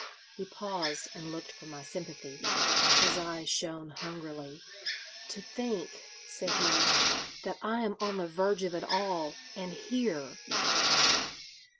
He paused and looked for my sympathy. His eyes shone hungrily. "To think," said he, "that I am on the verge of it all, and here!